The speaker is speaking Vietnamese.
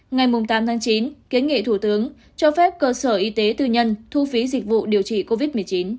ngày tám tháng chín kiến nghị thủ tướng cho phép cơ sở y tế tư nhân thu phí dịch vụ điều trị covid một mươi chín